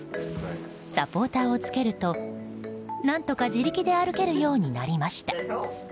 サポーターを着けると、何とか自力で歩けるようになりました。